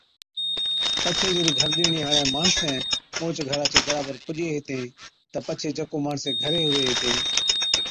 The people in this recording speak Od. پڇي جِڏ گھر ڏِيڻي ھاڙين ماڻسين اوھچ گھرا چي درا پر پُجين ھِتين تہ پڇي جڪو ماڻسين گھرين ھُوَي ھِتين